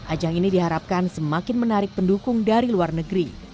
ajang ini diharapkan semakin menarik pendukung dari luar negeri